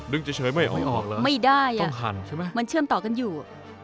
ดึงเฉยไม่ออกเหรอต้องหั่นใช่ไหมไม่ได้มันเชื่อมต่อกันอยู่